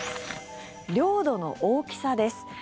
領土の大きさです。